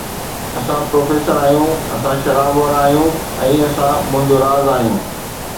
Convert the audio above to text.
اسان پروفيسر آهيون، اسان شراب وارا آهيون، ۽ اسان منهنجو راز آهيون